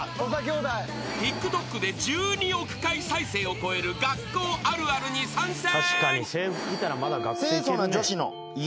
［ＴｉｋＴｏｋで１２億回再生を超える学校あるあるに参戦］